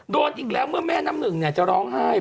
โดนอีกแล้วเมื่อแม่น้ำหนึ่งจะร้องไห้